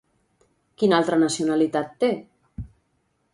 Quina altra nacionalitat té?